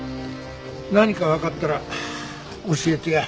何かわかったら教えてや。